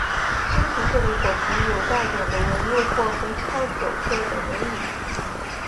深橙色的果皮有带点的纹路或红葡萄酒色的纹理。